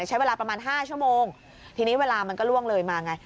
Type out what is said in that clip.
ใช้เวลาประมาณห้าชั่วโมงทีนี้เวลามันก็ล่วงเลยมาไง